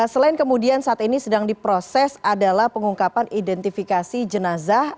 selain kemudian saat ini sedang diproses adalah pengungkapan identifikasi jenazah